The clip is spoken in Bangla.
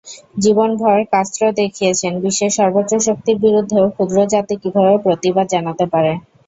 জীবনভর কাস্ত্রো দেখিয়েছেন, বিশ্বের সর্বোচ্চ শক্তির বিরুদ্ধেও ক্ষুদ্র জাতি কীভাবে প্রতিবাদ জানাতে পারে।